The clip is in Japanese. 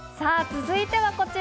続いてはこちら。